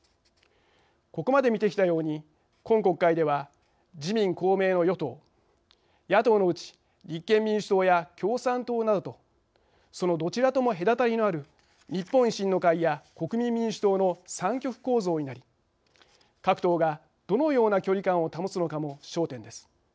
ここまで見てきたように今国会では、自民・公明の与党、野党のうち立憲民主党や共産党などとそのどちらとも隔たりのある日本維新の会や国民民主党の３極構造になり各党がどのような距離感を保つのかも焦点です。